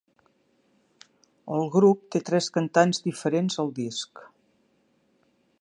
El grup té tres cantants diferents al disc.